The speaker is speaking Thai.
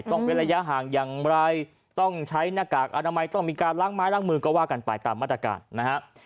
เว้นระยะห่างอย่างไรต้องใช้หน้ากากอนามัยต้องมีการล้างไม้ล้างมือก็ว่ากันไปตามมาตรการนะฮะ